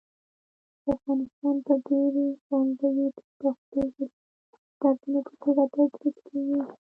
د افغانستان په ډېری ښوونځیو کې پښتو ژبه د درسونو په توګه تدریس کېږي.